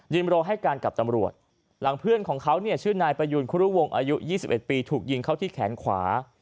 ยืนบรวมให้กันกับตำรวจหลังเพื่อนของเขาชื่อนายประยุณคุณลูกวงอายุ๒๑ปีถูกยิงเขาที่แขนขวา